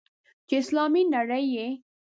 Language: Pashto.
چې اسلامي نړۍ یې.